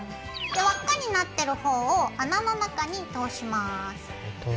輪っかになってる方を穴の中に通します。